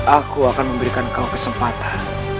aku akan memberikan kau kesempatan